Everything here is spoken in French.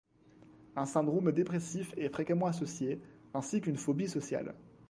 Un syndrome dépressif est fréquemment associé, ainsi qu'une phobie sociale.